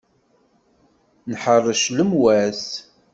Nḥeṛṛec lemwas.